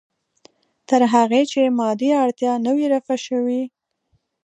تر هغې چې مادي اړتیا نه وي رفع شوې.